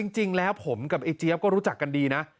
จริงแล้วผมกับไอ้เจี๊ยบก็รู้จักกันดีนะ